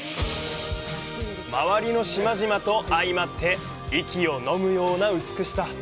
周りの島々と相まって息をのむような美しさ。